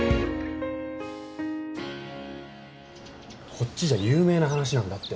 こっちじゃ有名な話なんだって。